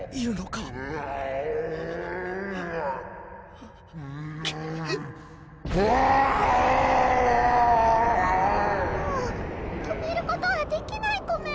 もう止めることはできないコメ？